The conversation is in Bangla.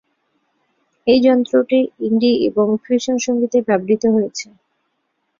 এই যন্ত্রটি ইন্ডি এবং ফিউশন সংগীতে ব্যবহৃত হয়েছে।